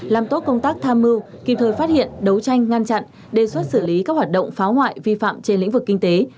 làm tốt công tác tham mưu kịp thời phát hiện đấu tranh ngăn chặn đề xuất xử lý các hoạt động phá hoại vi phạm trên lĩnh vực kinh tế